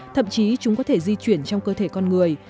thậm chí chúng có thể di chuyển trong cơ thể con người